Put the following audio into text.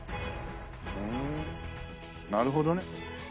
ふんなるほどね。